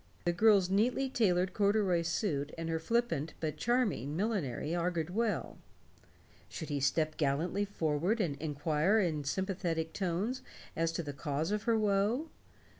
The girl's neatly tailored corduroy suit and her flippant but charming millinery augured well. Should he step gallantly forward and inquire in sympathetic tones as to the cause of her woe?